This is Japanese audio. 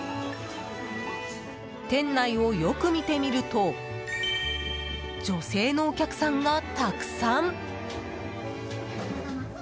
店内をよく見てみると女性のお客さんがたくさん。